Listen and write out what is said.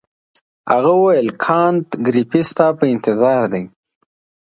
هغه وویل کانت ګریفي ستا په انتظار دی.